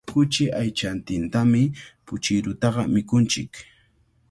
Kuchi aychantintami puchirutaqa mikunchik.